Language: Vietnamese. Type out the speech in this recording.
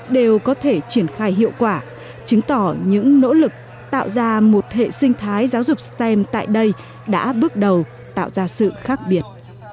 để triển khai hiệu quả chứng tỏ những nỗ lực tạo ra một hệ sinh thái giáo dục stem tại đây đã bước đầu tạo ra sự khác biệt